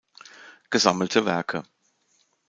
Gesammelte Werke